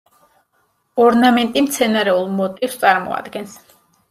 ორნამენტი მცენარეულ მოტივს წარმოადგენს.